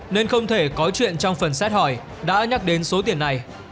nên không thể có chuyện trong phần xét hỏi đã nhắc đến số tiền này